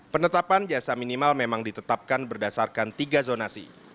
penetapan jasa minimal memang ditetapkan berdasarkan tiga zonasi